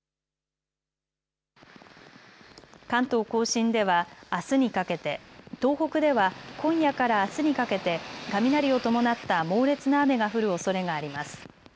関東甲信ではあすにかけて、東北では今夜からあすにかけて雷を伴った猛烈な雨が降るおそれがあります。